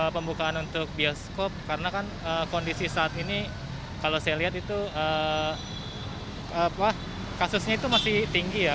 pembukaan untuk bioskop karena kan kondisi saat ini kalau saya lihat itu kasusnya itu masih tinggi ya